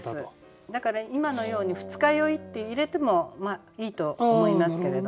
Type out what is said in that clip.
だから今のように「二日酔い」って入れてもいいと思いますけれど。